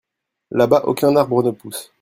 Là-bas, aucun arbre ne pousse.